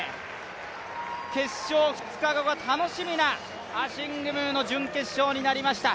決勝２日後が楽しむなアシング・ムーの準決勝になりました。